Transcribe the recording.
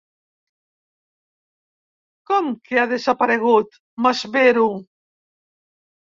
Com que ha desaparegut? —m'esvero.